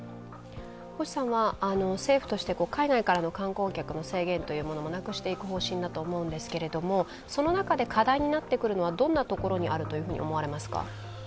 星さんは、政府として海外からの観光客の制限もなくしていく方針だと思うんですけれどもその中で課題になってくるのはどんなところにあると思われますか？